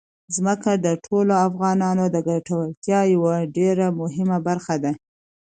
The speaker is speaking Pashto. ځمکه د ټولو افغانانو د ګټورتیا یوه ډېره مهمه برخه ده.